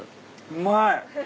うまい。